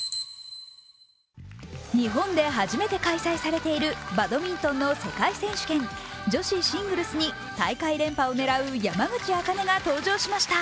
日本で初めて開催されているバドミントンの世界選手権、女子シングルスに大会連覇を狙う山口茜が登場しました。